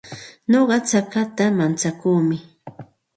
Nuqa chakata mantsakuumi.